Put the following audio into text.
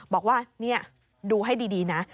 บอกว่านี่ดูให้ดีนะ